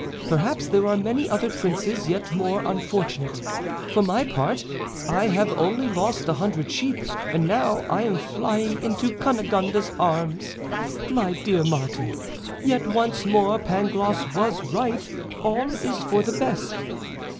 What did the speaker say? Perhaps there are many other princes yet more unfortunate. For my part, I have only lost a hundred sheep; and now I am flying into Cunegonde's arms. My dear Martin, yet once more Pangloss was right: all is for the best."